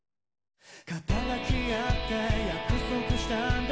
「肩抱き合って約束したんだ